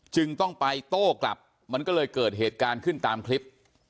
จึงต้องไปโต้กลับมันก็เลยเกิดเหตุการณ์ขึ้นตามคลิป